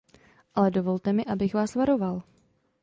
Ale dovolte mi, abych vás varoval.